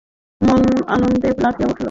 মন আনন্দে লাফিয়ে উঠল।